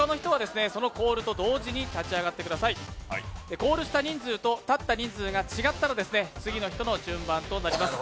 コールした人数と立った人数が違ったら次の人の順番となります。